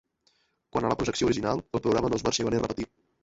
Quant a la projecció original, el programa no es va arxivar ni repetir.